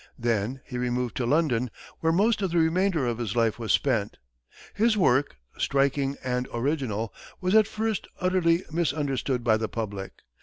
Then he removed to London, where most of the remainder of his life was spent. His work, striking and original, was at first utterly misunderstood by the public.